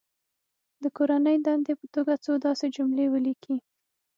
د کورنۍ دندې په توګه څو داسې جملې ولیکي.